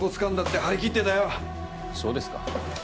そうですか。